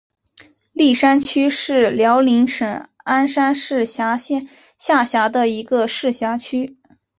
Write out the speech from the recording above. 立山区是辽宁省鞍山市下辖的一个市辖区。